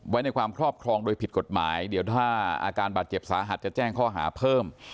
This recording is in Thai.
ไว้ในความครอบครองโดยผิดกฎหมายเดี๋ยวถ้าอาการบาดเจ็บสาหัสจะแจ้งข้อหาเพิ่ม